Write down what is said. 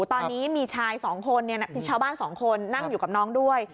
ตอนนี้มีชาย๒คนชาวบ้าน๒คนนั่งอยู่กับน้องด้วย